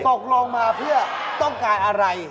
ตกลงมาเพื่อต้องการอะไร